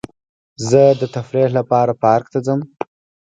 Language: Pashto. زه د تفریح لپاره پارک ته ځم.